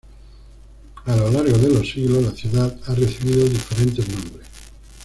A lo largo de los siglos la ciudad ha recibido diferentes nombres.